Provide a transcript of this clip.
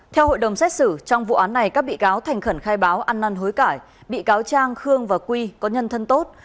theo hội đồng xét xử trong vụ án này các bị cáo thành khẩn khai báo ăn năn hối cải bị cáo trang khương và quy có nhân thân tốt